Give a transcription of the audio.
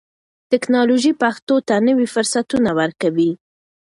ټکنالوژي پښتو ته نوي فرصتونه ورکوي.